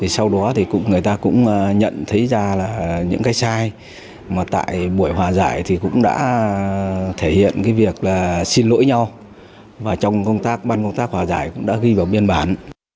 sau đó thì người ta cũng nhận thấy ra là những cái sai mà tại buổi hòa giải thì cũng đã thể hiện cái việc là xin lỗi nhau và trong công tác ban công tác hòa giải cũng đã ghi vào biên bản